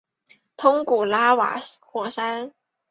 通古拉瓦火山。